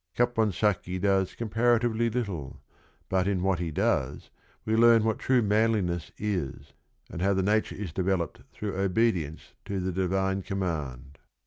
Caponsacchi does comparatively little, but in what he does we learn what true manliness is and how the nature is developed through obedience to the divine command.